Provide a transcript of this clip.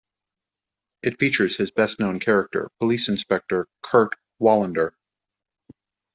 It features his best-known character, police inspector Kurt Wallander.